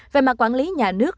về mặt quản lý nhà nước